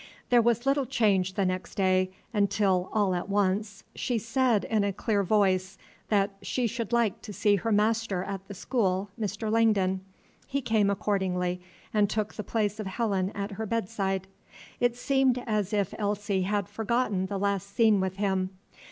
There was little change the next day, until all at once she said in a clear voice that she should like to see her master at the school, Mr. Langdon. He came accordingly, and took the place of Helen at her bedside. It seemed as if Elsie had forgotten the last scene with him.